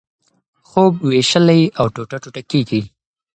خوب وېشلی او ټوټه ټوټه کېږي.